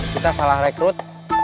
kita salah rekrut